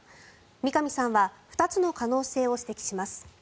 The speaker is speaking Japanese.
三上さんは２つの可能性を指摘します。